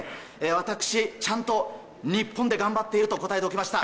私、ちゃんと日本で頑張っていると答えておきました！